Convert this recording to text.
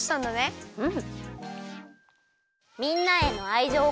うん！